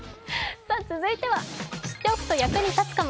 続いては、知っておくと役に立つかも。